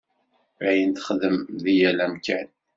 Ayen texdem deg yal amkan.